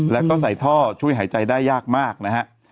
แล้วก็ใส่ท่อช่วยหายใจได้ยากมากนะฮะ